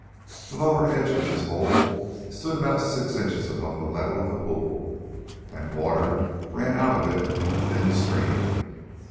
The lower edge of this hole stood about six inches above the level of the pool, and water ran out of it in a thin stream.